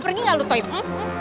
pergi gak lu toyo